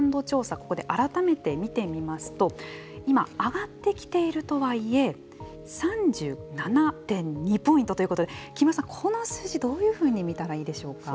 ここで改めて見てみますと今、上がってきているとはいえ３７．２ポイントということで木村さんこの数字、どういうふうに見たらいいでしょうか。